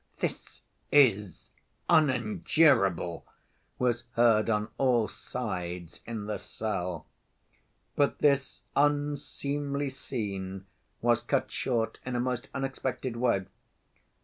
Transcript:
"This is unendurable!" was heard on all sides in the cell. But this unseemly scene was cut short in a most unexpected way.